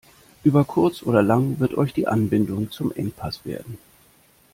Über kurz oder lang wird euch die Anbindung zum Engpass werden.